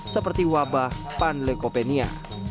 seperti wabah panleukopenia